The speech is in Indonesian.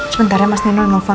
sebentar ya mas nino nelfon